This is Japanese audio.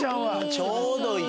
ちょうどいい。